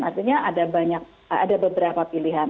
artinya ada beberapa pilihan